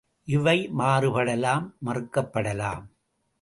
இவை மாறுபடலாம் மறுக்கப்படலாம்.